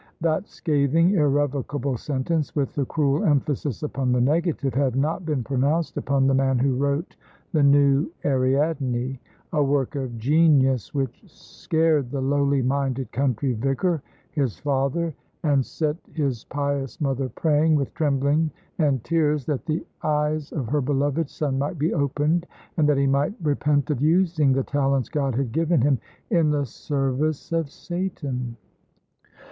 That scathing, irrevocable sentence, with the cruel emphasis upon the negative, had not been pronounced upon the man who wrote "The New Ariadne," a work of genius which scared the lowly minded country vicar, his father, and set his pious mother praying, with trembling and tears, that the eyes of her beloved son might be opened, and that he might repent of using the talents God had given him in the service of Satan.